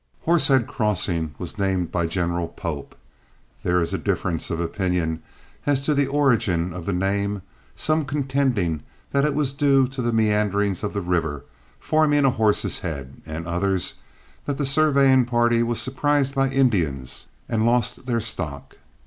Horsehead Crossing was named by General Pope. There is a difference of opinion as to the origin of the name, some contending that it was due to the meanderings of the river, forming a horse's head, and others that the surveying party was surprised by Indians and lost their stock.